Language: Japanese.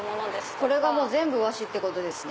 これが全部和紙ってことですね。